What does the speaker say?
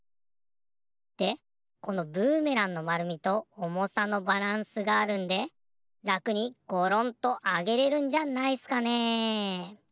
でこのブーメランのまるみとおもさのバランスがあるんでらくにゴロンとあげれるんじゃないっすかね。